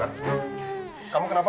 bella kamu kenapa